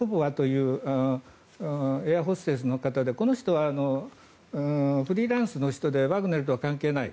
エアホステスの方でこの人はフリーランスの人でワグネルとは関係ない。